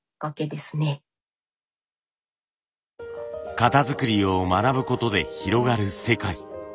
型作りを学ぶことで広がる世界。